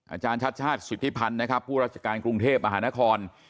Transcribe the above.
อาจารย์ชาติชาติสิทธิพันธ์นะครับผู้ราชการกรุงเทพมหานคร